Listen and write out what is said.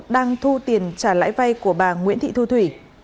đang thu tiền trả lãi vay của bà nguyễn thị thu thủy